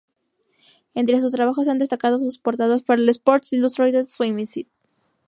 Entre sus trabajos se han destacado sus portadas para el "Sports Illustrated Swimsuit.